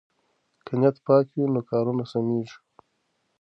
که نیت پاک وي نو کارونه سمېږي.